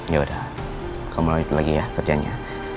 ya udah kamu lojot lagi ya kerjanya